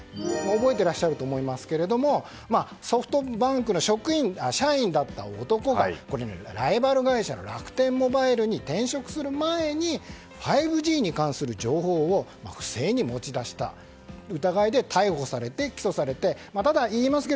覚えていらっしゃると思いますがソフトバンクの社員だった男がライバル会社の楽天モバイルに転職する前に５Ｇに関する情報を不正に持ち出した疑いで逮捕されて、起訴されています。